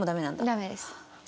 ダメです。